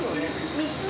３つ。